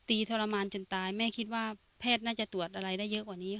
แม่ก็ยังเชื่อคำพิแพทย์